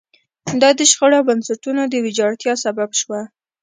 دا د شخړو او بنسټونو د ویجاړتیا سبب شوه.